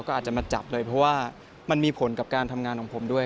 ก็อาจจะมาจับเลยเพราะว่ามันมีผลกับการทำงานของผมด้วย